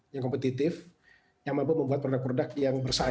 yang kompetitif yang mampu membuat produk produk yang bersaing